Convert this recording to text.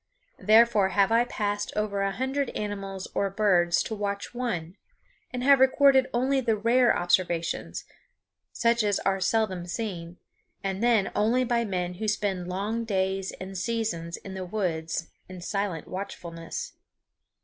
Therefore have I passed over a hundred animals or birds to watch one, and have recorded only the rare observations, such as are seldom seen, and then only by men who spend long days and seasons in the woods in silent watchfulness.